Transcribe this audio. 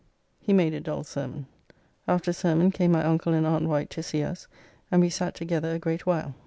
He made a dull sermon. After sermon came my uncle and aunt Wight to see us, and we sat together a great while.